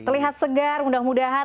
terlihat segar mudah mudahan